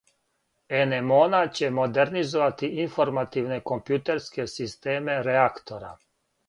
Енемона ће модернизовати информативне компјутерске системе реактора.